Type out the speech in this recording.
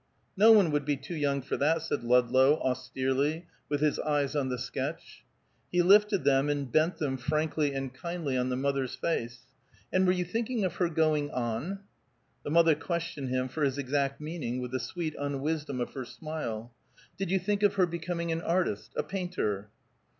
"No one would be too young for that," said Ludlow, austerely, with his eyes on the sketch. He lifted them, and bent them frankly and kindly on the mother's face. "And were you thinking of her going on?" The mother questioned him for his exact meaning with the sweet unwisdom of her smile. "Did you think of her becoming an artist, a painter?"